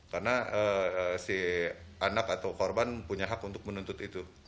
karena si anak atau korban punya hak untuk menuntut itu